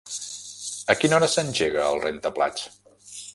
A quina hora s'engega el rentaplats?